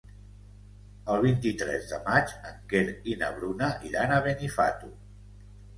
El vint-i-tres de maig en Quer i na Bruna iran a Benifato.